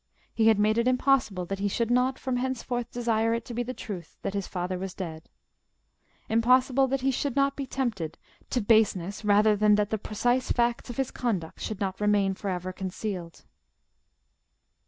He had made it impossible that he should not from henceforth desire it to be the truth that his father was dead; impossible that he should not be tempted to baseness rather than that the precise facts of his conduct should not remain for ever concealed.